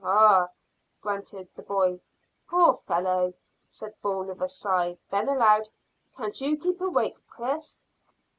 "Ah!" grunted the boy. "Poor fellow!" said Bourne, with a sigh. Then aloud "Can't you keep awake, Chris?"